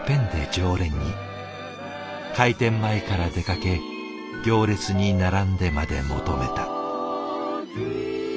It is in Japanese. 開店前から出かけ行列に並んでまで求めた。